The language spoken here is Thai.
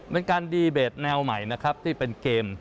เป็นการดีเบตแนวใหม่นะครับที่เป็นเกม